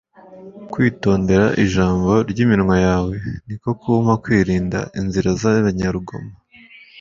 Kwitondera ijambo ry'iminwa yawe, Ni ko kumpa kwirinda inzira z'abanyarugomo